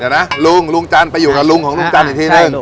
เดี๋ยวนะลุงลุงจันทร์ไปอยู่กับลุงของลุงจันทร์อีกทีนึง